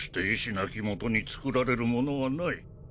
なきもとに作られるものはない。